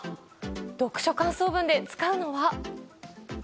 読書感想文で使うのは？